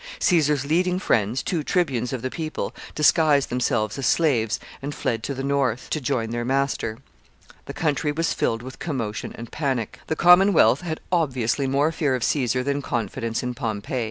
Caesar's leading friends, two tribunes of the people, disguised themselves as slaves, and fled to the north to join their master. The country was filled with commotion and panic. The Commonwealth had obviously more fear of Caesar than confidence in Pompey.